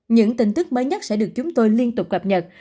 những tin tức mới nhất sẽ được chúng tôi liên tục cập nhật